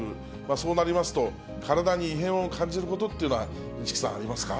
そうなりますと、体に異変を感じることっていうのは、市來さん、ありますか？